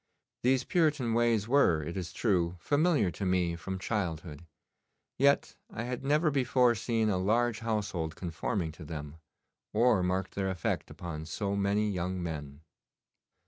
These Puritan ways were, it is true, familiar to me from childhood, yet I had never before seen a large household conforming to them, or marked their effect upon so many young men.